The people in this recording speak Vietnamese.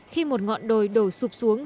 khi một ngọn đồi đổ sụp xuống